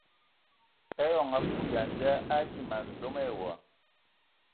Eyɔŋ a kui ya a nda a dii man dzom awɔi.